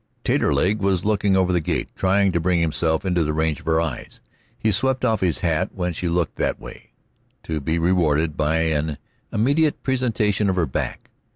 Taterleg was looking over the gate, trying to bring himself into the range of her eyes. He swept off his hat when she looked that way, to be rewarded by an immediate presentation of her back.